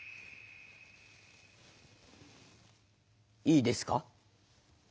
いいですか？